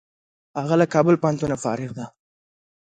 هغه له کابل پوهنتونه فارغ دی.